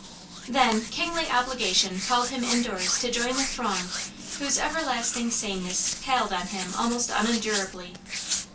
Then, kingly obligation called him indoors to join the throng whose everlasting sameness palled on him almost unendurably.